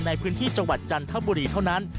ในพื้นที่จังหวัดจันทบุรีเท่านั้น